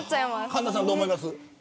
神田さん、どう思います。